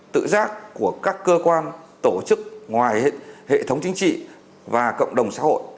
tự giác của các cơ quan tổ chức ngoài hệ thống chính trị và cộng đồng xã hội